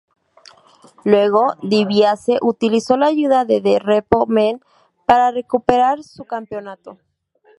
Luego, DiBiase utilizó la ayuda de The Repo Man para recuperar su campeonato.